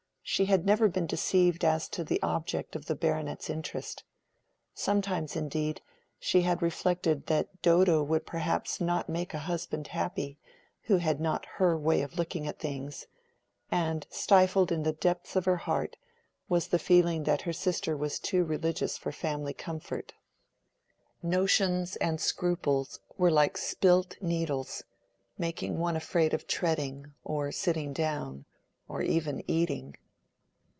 She had never been deceived as to the object of the baronet's interest. Sometimes, indeed, she had reflected that Dodo would perhaps not make a husband happy who had not her way of looking at things; and stifled in the depths of her heart was the feeling that her sister was too religious for family comfort. Notions and scruples were like spilt needles, making one afraid of treading, or sitting down, or even eating.